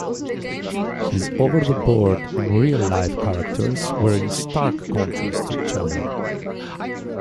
His over-the-board and real-life characters were in stark contrast to each other.